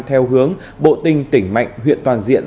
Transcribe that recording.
theo hướng bộ tinh tỉnh mạnh huyện toàn diện